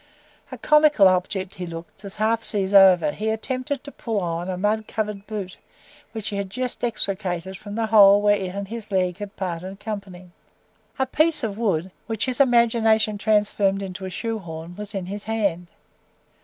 A comical object he looked, as, half seas over, he attempted to pull on a mud covered boot, which he had just extricated from the hole where it and his leg had parted company. A piece of wood, which his imagination transformed into a shoe horn, was in his hand.